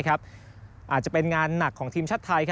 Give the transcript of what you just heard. อาจจะเป็นงานหนักของทีมชาติไทย